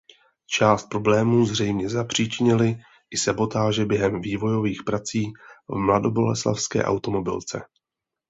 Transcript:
Část problémů zřejmě zapříčinily i sabotáže během vývojových prací v mladoboleslavské automobilce.